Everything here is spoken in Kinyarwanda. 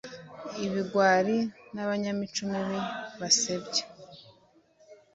ibigwari n'abanyamico mibi basebya